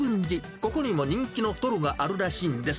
ここにも人気のトロがあるらしいんです。